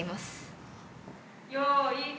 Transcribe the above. よい。